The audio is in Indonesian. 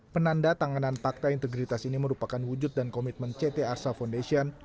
penanda tanganan pakta integritas ini merupakan wujud dan komitmen ct arsa foundation